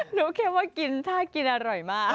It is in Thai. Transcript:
หนูแค่ว่ากินถ้ากินอร่อยมาก